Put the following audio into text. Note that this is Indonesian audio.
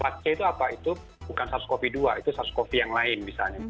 empat c itu apa itu bukan sars cov dua itu sars coffee yang lain misalnya